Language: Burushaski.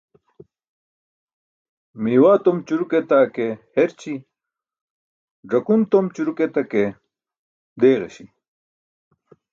Miiwaa tom ćuruk etake herći̇. Ẓakun tom ćuruk etake deeġaśi.